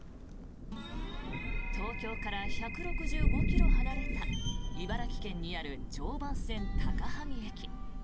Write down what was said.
東京から１６５ｋｍ離れた茨城県にある常磐線高萩駅。